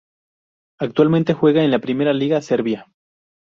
Actualmente juega en la Primera Liga Serbia.